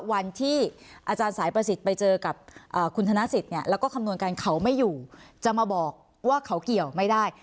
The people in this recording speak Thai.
วันที่อาจารย์สายประสิทธิ์ไปเจอกับคุณธนสิทธิ์เนี่ยแล้วก็คำนวณกันเขาไม่อยู่จะมาบอกว่าเขาเกี่ยวไม่ได้